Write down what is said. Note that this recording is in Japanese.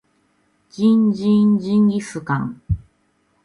ジンジンジンギスカン